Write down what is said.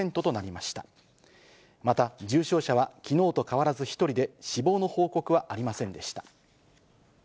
また重症者はきのうと変わらず１人で、死亡の報告はありませんでした。